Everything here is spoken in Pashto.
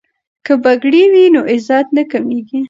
که پګړۍ وي نو عزت نه کمیږي.